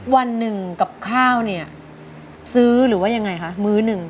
วันหนึ่งกับข้าวเนี่ยซื้อหรือว่ายังไงคะมื้อหนึ่ง